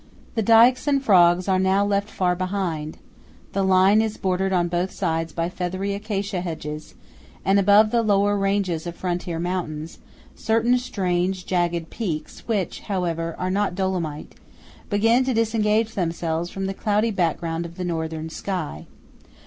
The dykes and frogs are now left far behind; the line is bordered on both sides by feathery acacia hedges, and above the lower ranges of frontier mountains, certain strange jagged peaks, which, however, are not Dolomite, begin to disengage themselves from the cloudy background of the northern sky.